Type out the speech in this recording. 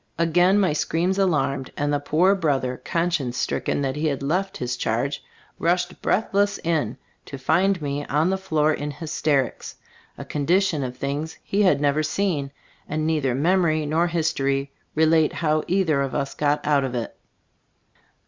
Again my screams alarmed, and the poor brother, conscience stricken that he had left his charge, rushed breathless in, to find me on the floor in hysterics, a condi tion of things he had never seen ; and neither memory nor history relate how either of us got out of it.